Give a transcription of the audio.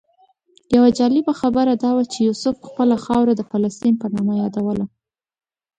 یوه جالبه خبره دا وه چې یوسف خپله خاوره د فلسطین په نامه یادوله.